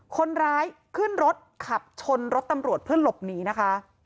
คนร้ายขึ้นรถขับชนรถตำรวจเพื่อหลบหนีนะคะ